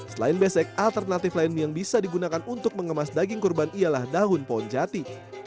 selain besek alternatif lain yang bisa digunakan untuk mengemas daging kurban ialah dahun ponjati